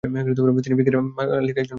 তিনি ফিকহের মালিকি মাজহাবের একজন পণ্ডিত।